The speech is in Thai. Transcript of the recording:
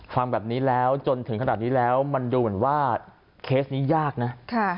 ฟังแบบนี้แล้วจนถึงขนาดนี้แล้วมันดูเหมือนว่าเคสนี้ยากนะ